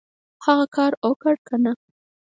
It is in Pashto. هغه کار اوکړه کنه !